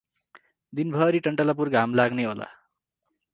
दिनभरि टन्टलापुर घाम लाग्ने होला ।